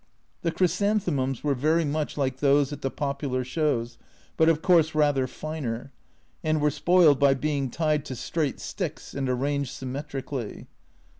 The chrysanthe mums were very much like those at the popular shows, but of course rather finer, and were spoiled by being tied to straight sticks and arranged symmetrically.